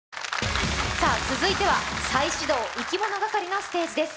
続いては再始動、いきものがかりのステージです。